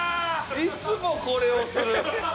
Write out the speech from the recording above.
いつもこれをする。